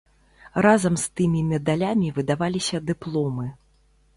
Разам з тымі медалямі выдаваліся дыпломы.